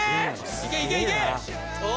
・いけいけいけ！